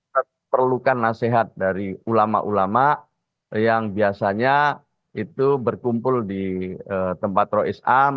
kita perlukan nasihat dari ulama ulama yang biasanya itu berkumpul di tempat ⁇ rois am